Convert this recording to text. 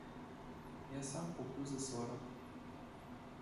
Я сам куплю за сорок.